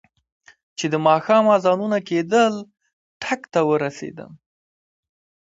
چې د ماښام اذانونه کېدل، ټک ته ورسېدم.